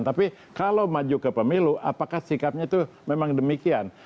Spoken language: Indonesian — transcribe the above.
tapi kalau maju ke pemilu apakah sikapnya itu memang demikian